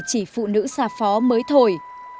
chỉ phụ nữ xa phó mới thổi